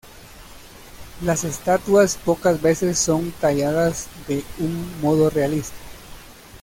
Las estatuas pocas veces son talladas de un modo realista.